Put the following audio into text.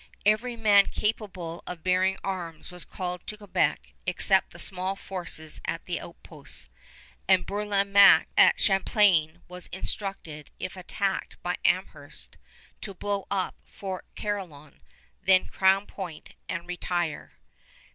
Every man capable of bearing arms was called to Quebec except the small forces at the outposts, and Bourlamaque at Champlain was instructed if attacked by Amherst to blow up Fort Carillon, then Crown Point, and retire.